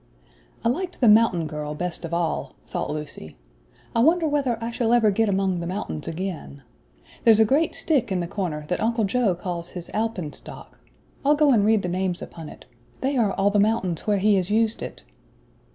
"I LIKED the mountain girl best of all," thought Lucy. "I wonder whether I shall ever get among the mountains again. There's a great stick in the corner that Uncle Joe calls his alpenstock. I'll go and read the names upon it. They are all the mountains where he has used it."